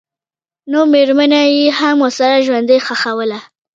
نومېرمن یې هم ورسره ژوندۍ ښخوله.